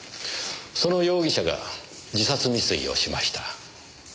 その容疑者が自殺未遂をしました。